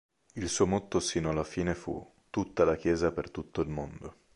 Il suo motto sino alla fine fu: "Tutta la Chiesa per tutto il mondo!".